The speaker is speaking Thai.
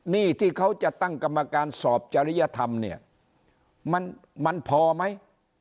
นี่ที่เขาจะตั้งกรรมการสอบจริยธรรมเนี่ยมันพอไหม